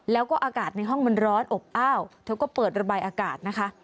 แล้วก็อากาศในห้องมันร้อนอบอ้าวเธอก็เปิดระบายอากาศนะคะ